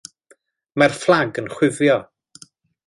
Mae'r fflag yn chwifio.